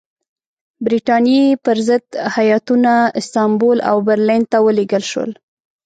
برټانیې پر ضد هیاتونه استانبول او برلین ته ولېږل شول.